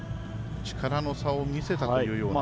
力の差を見せたというような。